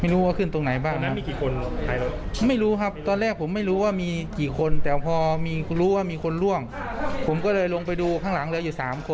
รอให้เขาติดต่อมา